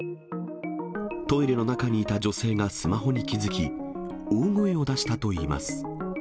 トイレの中にいた女性がスマホに気付き、大声を出したといいます。